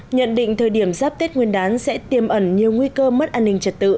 nhận định thời điểm giáp tết nguyên đán sẽ tiêm ẩn nhiều nguy cơ mất an ninh trật tự